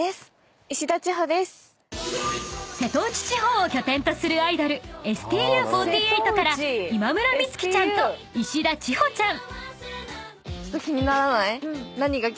［瀬戸内地方を拠点とするアイドル「ＳＴＵ４８」から今村美月ちゃんと石田千穂ちゃん］